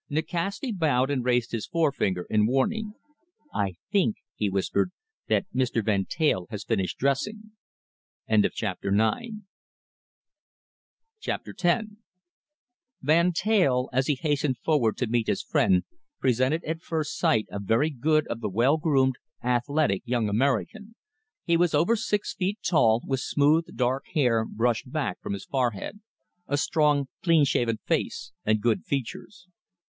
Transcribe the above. Nikasti bowed and raised his forefinger in warning. "I think," he whispered, "that Mr. Van Teyl has finished dressing." CHAPTER X Van Teyl, as he hastened forward to meet his friend, presented at first sight a very good type of the well groomed, athletic young American. He was over six feet tall, with smooth, dark hair brushed back from his forehead, a strong, clean shaven face and good features.